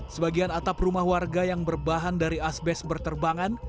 sebagian atap rumah warga yang berbahan dari asbest berterbangan